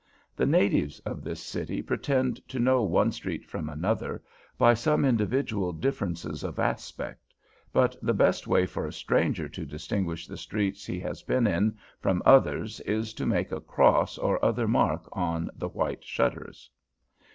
The natives of this city pretend to know one street from another by some individual differences of aspect; but the best way for a stranger to distinguish the streets he has been in from others is to make a cross or other mark on the white shutters.